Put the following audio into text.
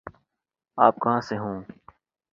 آپ کہاں سے ہوں؟